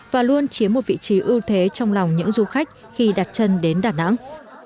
và luôn chiếm một vị trí ưu thế trong lòng những du khách khi đặt chân đến đà nẵng